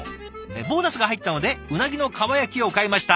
「ボーナスが入ったので鰻のかば焼きを買いました！